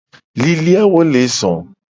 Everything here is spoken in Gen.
Lilikpoawo le zo.